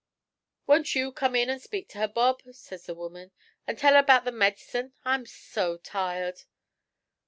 "Won't you come in an' speak to her, Bob?" says the woman, "an' tell her 'bout the med'cin'; I'm so tired."